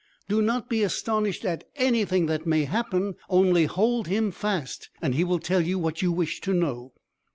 "Do not be astonished at anything that may happen. Only hold him fast, and he will tell you what you wish to know."